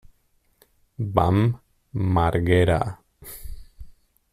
Bam Margera